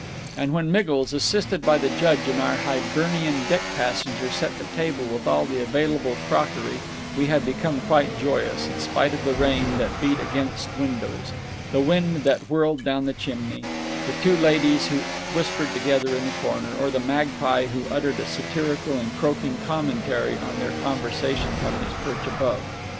And when Miggles, assisted by the Judge and our Hibernian "deck passenger," set the table with all the available crockery, we had become quite joyous, in spite of the rain that beat against windows, the wind that whirled down the chimney, the two ladies who whispered together in the corner, or the magpie who uttered a satirical and croaking commentary on their conversation from his perch above.